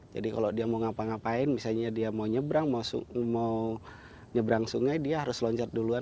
jadi kalau dia mau ngapa ngapain misalnya dia mau nyebrang mau nyebrang sungai dia harus loncat duluan